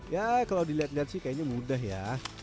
ya kalau dilihat lihat sih kayaknya mudah ya